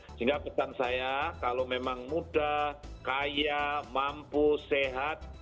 sehingga pesan saya kalau memang mudah kaya mampu sehat